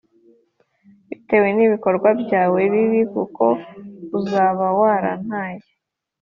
bitewe n’ibikorwa byawe bibi, kuko uzaba warantaye.